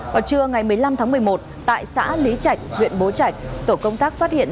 vào trưa ngày một mươi năm tháng một mươi một tại xã lý trạch huyện bố trạch tổ công tác phát hiện